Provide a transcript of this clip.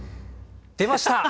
出ました！